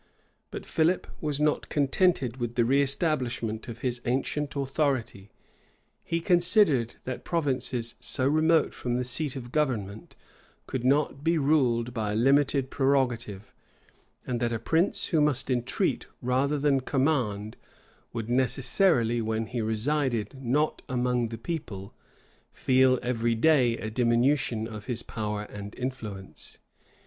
But Philip was not contented with the reëstablishment of his ancient authority: he considered that provinces so remote from the seat of government could not be ruled by a limited prerogative; and that a prince who must entreat rather than command, would necessarily, when he resided not among the people, feel every day a diminution of his power and influence.